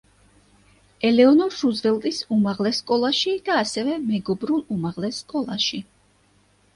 ელეონორ რუზველტის უმაღლეს სკოლაში და ასევე მეგობრულ უმაღლეს სკოლაში.